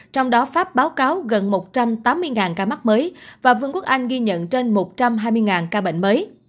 trong đó pháp báo cáo gần một trăm tám mươi ca mắc mới và vương quốc anh ghi nhận trên một trăm hai mươi ca bệnh mới